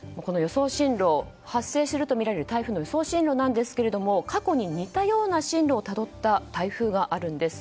発生するとみられる台風の予想進路なんですけども過去に似たような進路をたどった台風があるんです。